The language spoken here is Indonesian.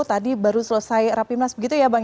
tadi baru selesai rapi minas begitu ya bang